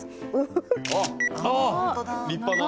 あっ立派な。